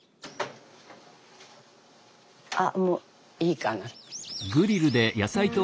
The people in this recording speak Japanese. あもういいかな。